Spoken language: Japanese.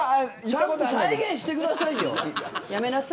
ちゃんと再現してくださいよ。